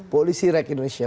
polisi rek indonesia